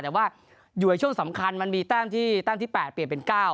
แต่ว่าอยู่ในช่วงสำคัญมันมีแต้มที่แต้มที่๘เปลี่ยนเป็น๙